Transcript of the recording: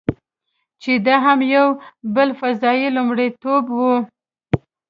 چې دا هم یو بل فضايي لومړیتوب و.